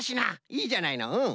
いいじゃないのうん。